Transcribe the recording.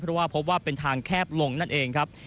เพราะว่าพบว่าเป็นทางแคบลงนั่นเองครับ